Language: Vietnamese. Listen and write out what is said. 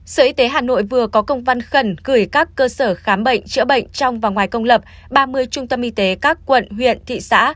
sở y tế hà nội vừa có công văn khẩn gửi các cơ sở khám bệnh chữa bệnh trong và ngoài công lập ba mươi trung tâm y tế các quận huyện thị xã